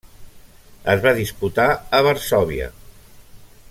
Es va disputar a Varsòvia.